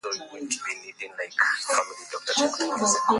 wametoa nadharitete kwamba wakati wa matumizi ya dawa sababu